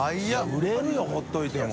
売れるよほっといても。